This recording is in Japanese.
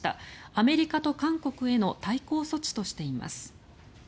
アメリカと韓国への対抗措置としています。